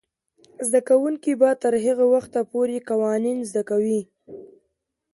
زده کوونکې به تر هغه وخته پورې قوانین زده کوي.